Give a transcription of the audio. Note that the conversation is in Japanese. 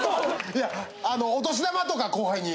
いやあのお年玉とか後輩に。